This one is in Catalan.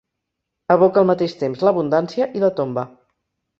Evoca al mateix temps l'abundància i la tomba.